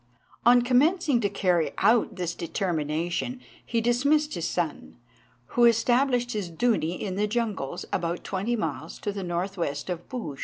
On commencing to carry out this determination, he dismissed his son, who established his Doonee in the jungles, about twenty miles to the north west of Bhooj.